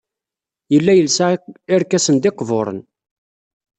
Yella yelsa irkasen d iqburen.